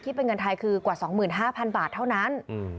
เป็นเงินไทยคือกว่า๒๕๐๐๐บาทเท่านั้น